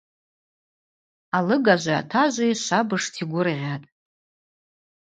Алыгажви атажви швабыжта йгвыргъьатӏ.